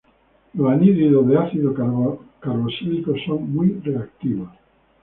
Los anhídridos de ácido carboxílico son muy reactivos.